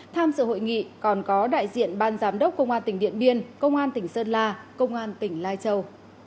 tham dự hội nghị còn có đại diện ban giám đốc công an tỉnh điện biên công an tỉnh sơn la công an tỉnh lai châu